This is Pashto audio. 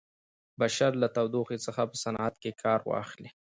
بشر له تودوخې څخه په صنعت کې کار واخلي.